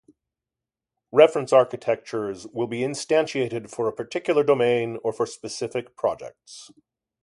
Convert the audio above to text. Reference Architectures will be instantiated for a particular domain or for specific projects.